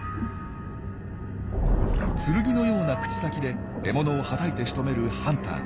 剣のような口先で獲物をはたいてしとめるハンター。